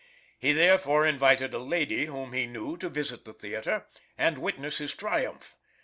He therefore invited a lady whom he knew to visit the theater, and witness his triumph.